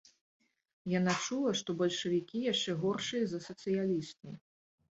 Яна чула, што бальшавікі яшчэ горшыя за сацыялістаў.